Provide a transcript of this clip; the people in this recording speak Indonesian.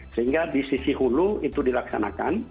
sehingga di sisi hulu itu dilaksanakan